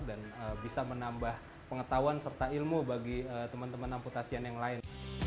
dan bisa menambah pengetahuan serta ilmu bagi teman teman amputasian yang lain